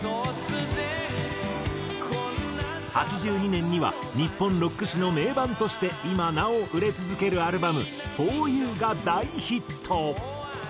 １９８２年には日本ロック史の名盤として今なお売れ続けるアルバム『ＦＯＲＹＯＵ』が大ヒット。